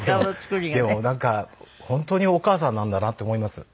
でもなんか本当にお母さんなんだなって思います。